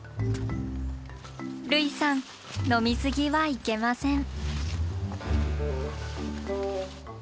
類さん飲み過ぎはいけません。